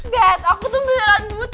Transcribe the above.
dad aku tuh beneran buta